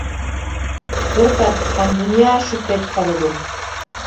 بىر تارتىشقان دۇنيا شۇ پېتى قالىدۇ.